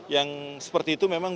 yang seperti itu memang